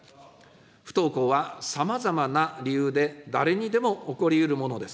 不登校はさまざまな理由で誰にでも起こりうるものです。